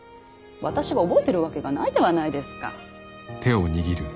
私が覚えてるわけがないではないですか。